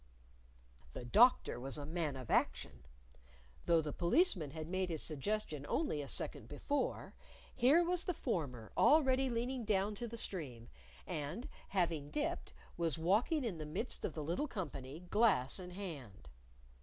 The Doctor was a man of action. Though the Policeman had made his suggestion only a second before, here was the former already leaning down to the stream; and, having dipped, was walking in the midst of the little company, glass in hand.